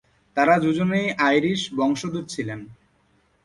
তারা দুজনেই আইরিশ বংশোদ্ভূত ছিলেন।